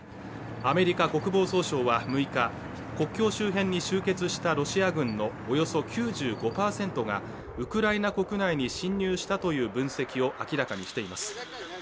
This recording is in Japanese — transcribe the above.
アメリカ国防総省は６日国境周辺に集結したロシア軍のおよそ９５％がウクライナ国内に侵入したという分析を明らかにしています